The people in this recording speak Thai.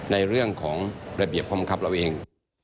ในเรื่องของระเบียบความคับเราเอง